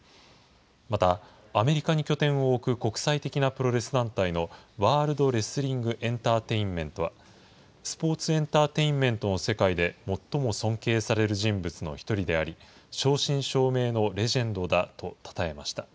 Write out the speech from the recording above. また、アメリカに拠点を置く国際的なプロレス団体のワールド・レスリング・エンターテインメントは、スポーツエンターテインメントの世界で最も尊敬される人物の１人であり、正真正銘のレジェンドだとたたえました。